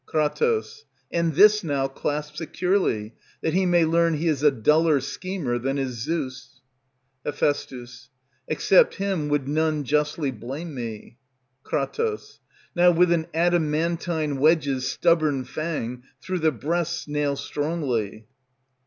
Kr. And this now clasp securely, that He may learn he is a duller schemer than is Zeus. Heph. Except him would none justly blame me. Kr. Now with an adamantine wedge's stubborn fang Through the breasts nail strongly.